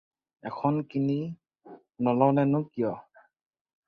এখন কিনি নল'লেনো কিয়?